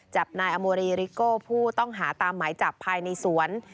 จับนายอโมรีริโก้ผู้ต้องหาตามหมายจับภายในสวน